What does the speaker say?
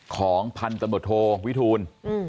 ของพันธุ์ตำรวจโทวิทูล